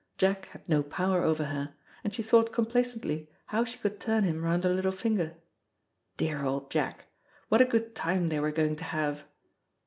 Jack had no power over her, and she thought complacently how she could turn him round her little finger. Dear old Jack! What a good time they were going to have.